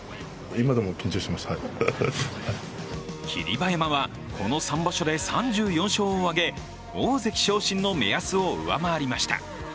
霧馬山はこの３場所で３４勝を挙げ、大関昇進の目安を上回りました。